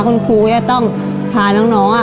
คุณครูจะต้องพาน้อง